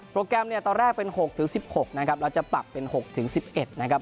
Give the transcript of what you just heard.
โปรแกรมเนี่ยตอนแรกเป็นหกถึงสิบหกนะครับเราจะปรับเป็นหกถึงสิบเอ็ดนะครับ